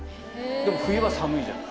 でも冬は寒いじゃない。